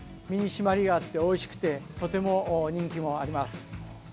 身に締まりがあっておいしくてとても人気があります。